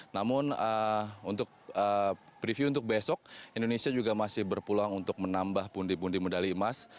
namun untuk preview untuk besok indonesia juga masih berpeluang untuk menambah pundi pundi medali emas